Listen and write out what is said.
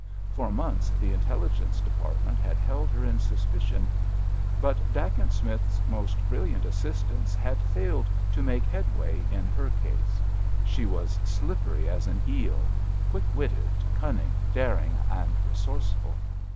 For months the Intelligence Department had held her in suspicion, but Dacent Smith's most brilliant assistants had failed to make headway in her case. She was slippery as an eel—quick witted, cunning, daring and resourceful.